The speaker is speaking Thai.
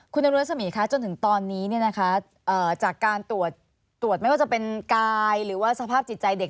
คุณนรสมีคะจนถึงตอนนี้จากการตรวจไม่ว่าจะเป็นกายหรือว่าสภาพจิตใจเด็ก